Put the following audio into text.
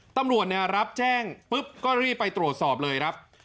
ตำรวจรับแจ้งปุ๊บก็รีบไปตรวจสอบเลยครับ